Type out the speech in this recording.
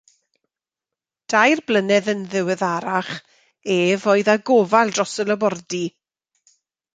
Dair blynedd yn ddiweddarach, ef oedd â gofal dros y labordy.